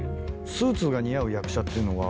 スーツが似合う役者っていうのは。